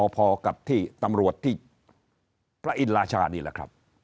พอกับที่ตำรวจที่พระอินราชานี่แหละครับ